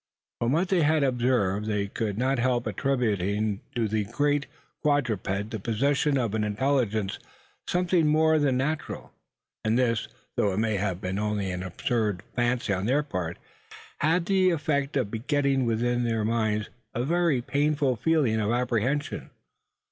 From what they had observed, they could not help attributing to the great quadruped the possession of an intelligence something more than natural; and this, though it may have been only an absurd fancy on their part, had the effect of begetting within their minds a very painful feeling of apprehension.